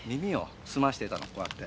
こうやって。